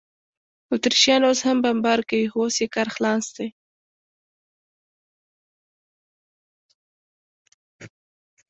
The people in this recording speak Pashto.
اتریشیان اوس هم بمبار کوي، خو اوس یې کار خلاص دی.